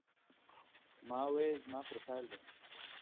ما وې زما پروفائيل به